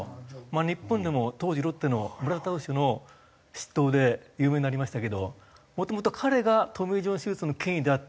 日本でも当時ロッテの村田投手の執刀で有名になりましたけどもともと彼がトミー・ジョン手術の権威であって。